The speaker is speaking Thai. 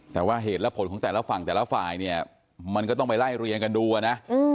แต่ว่าเหตุและผลของแต่ละฝั่งแต่ละฝ่ายเนี่ยมันก็ต้องไปไล่เรียงกันดูอ่ะนะ